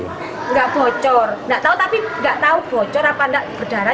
tidak bocor nggak tahu tapi nggak tahu bocor apa enggak berdarah